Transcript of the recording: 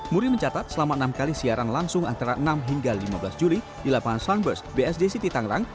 muri mencatat selama enam kali siaran langsung antara enam hingga lima belas juli di lapangan sunburst bsd city tangerang